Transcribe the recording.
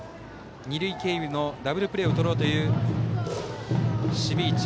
二塁経由のダブルプレーをとろうという守備位置。